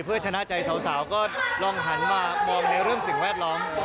เพื่อชนะใจสาวก็ลองหันมามองในเรื่องสิ่งแวดล้อม